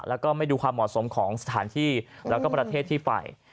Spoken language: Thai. แล้วก็ไม่ดูความเหมาะสมของสถานที่แล้วก็ประเทศที่ไป